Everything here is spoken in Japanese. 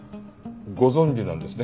ご存じなんですね？